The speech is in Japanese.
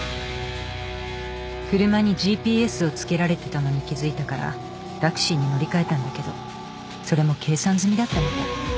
車にＧＰＳを付けられてたのに気付いたからタクシーに乗り換えたんだけどそれも計算済みだったみたい。